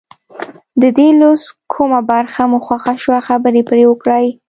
د دې لوست کومه برخه مو خوښه شوه خبرې پرې وکړئ.